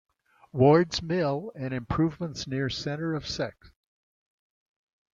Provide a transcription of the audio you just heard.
Wards Mill and improvements near center of Sec.